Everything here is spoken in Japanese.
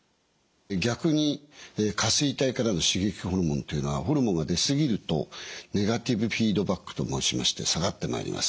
逆に下垂体からの刺激ホルモンというのはホルモンが出過ぎるとネガティブフィードバックと申しまして下がってまいります。